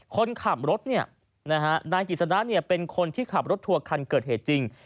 คนขับรถนายกฤษณะเป็นคนที่ขับรถทัวร์คันเกิดเหตุจริง